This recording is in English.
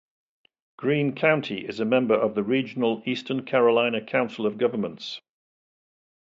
Greene County is a member of the regional Eastern Carolina Council of Governments.